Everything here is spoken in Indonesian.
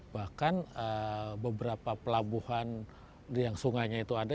bahkan beberapa pelabuhan yang sungainya itu ada